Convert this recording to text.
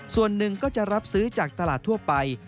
ส่วนหนึ่งก็จะรับซื้อจากตลาดทั่วไป